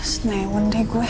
senewan deh gue